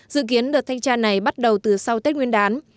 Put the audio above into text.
dự kiến đợt thanh tra này bắt đầu từ sau tết chủ nhật